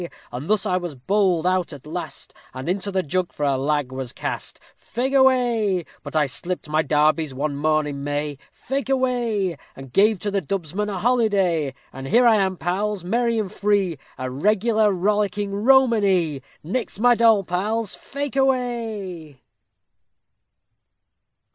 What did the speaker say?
_ And thus was I bowled out at last, And into the jug for a lag was cast; Fake away. But I slipped my darbies one morn in May, Fake away, And gave to the dubsman a holiday. And here I am, pals, merry and free, A regular rollicking romany. _Nix my doll pals, fake away.